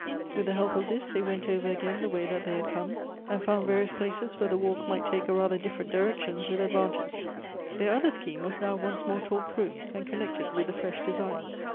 With the help of this they went over again the way that they had come, and found various places wViere the walk might take a rather different direction with advantage. Their other scheme was now once more talked through, and connected with the fresh design.